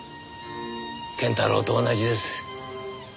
謙太郎と同じです。